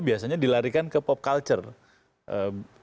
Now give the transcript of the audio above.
biasanya dilarikan ke pop culture